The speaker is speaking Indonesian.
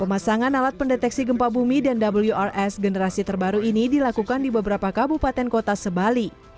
pemasangan alat pendeteksi gempa bumi dan wrs generasi terbaru ini dilakukan di beberapa kabupaten kota sebali